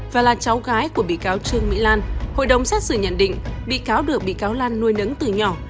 và là cháu gái của bị cáo trương mỹ lan hội đồng xét xử nhận định bị cáo được bị cáo lan nuôi nấng từ nhỏ